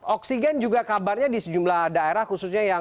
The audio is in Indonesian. oksigen juga kabarnya di sejumlah daerah khususnya yang